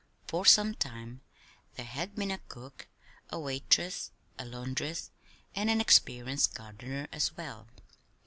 For some time there had been a cook, a waitress, a laundress, and an experienced gardener as well.